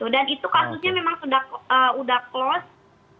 dan itu kasusnya memang sudah close